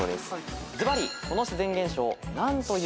ずばり。